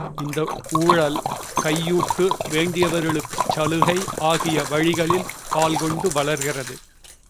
இந்த ஊழல், கையூட்டு, வேண்டியவர்க்குச் சலுகை ஆகிய வழிகளில் கால்கொண்டு வளர்கிறது.